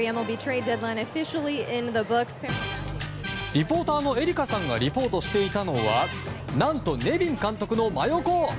リポーターのエリカさんがリポートしていたのは何と、ネビン監督の真横。